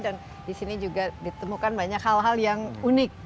dan di sini juga ditemukan banyak hal hal yang unik